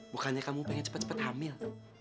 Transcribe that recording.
bukannya kamu pengen cepat cepat hamil